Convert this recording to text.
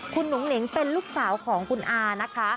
คุณหนุ่งหนิงเป็นลูกสาวของคุณอานะคะ